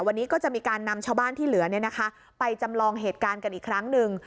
วันนี้ก็จะมีการนำชาวบ้านที่เหลือไปจำลองเหตุการณ์กันอีกครั้งหนึ่ง